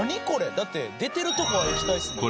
だって出てるとこは液体ですもんね。